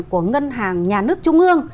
của ngân hàng nhà nước trung ương